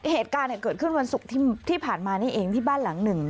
เหตุการณ์เกิดขึ้นวันศุกร์ที่ผ่านมานี่เองที่บ้านหลังหนึ่ง